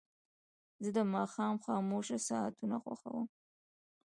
زه د ماښام خاموشه ساعتونه خوښوم.